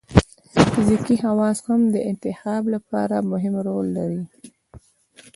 فزیکي خواص هم د انتخاب لپاره مهم رول لري.